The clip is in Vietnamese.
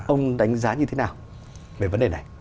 ông đánh giá như thế nào về vấn đề này